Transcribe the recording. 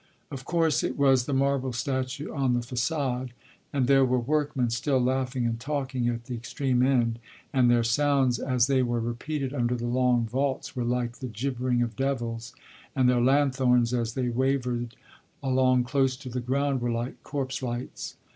Of course it was the marble statue on the facade; and there were workmen still laughing and talking at the extreme end, and their sounds, as they were repeated under the long vaults, were like the gibbering of devils, and their lanthorns, as they wavered along close to the ground, were like corpse lights.